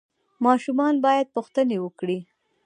ماشومان باید پوښتنې وکړي.